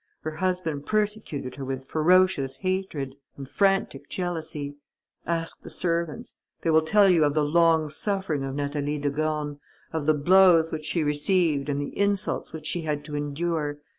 Her husband persecuted her with ferocious hatred and frantic jealousy. Ask the servants. They will tell you of the long suffering of Natalie de Gorne, of the blows which she received and the insults which she had to endure.